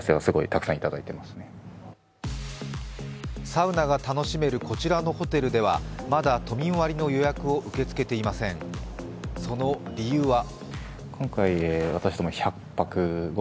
サウナが楽しめるこちらのホテルではまだ都民割の予約を受け付けていません、その理由は。